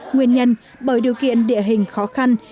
nguyên nhân bởi điều kiện địa hình khó khăn